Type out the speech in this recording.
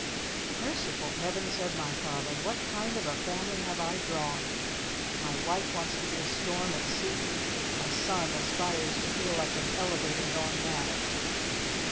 "Merciful Heavens!" said my Father. "What kind of a family have I drawn? My Wife wants to be a 'Storm at Sea' and my Son aspires to feel like an 'Elevator Gone Mad'!"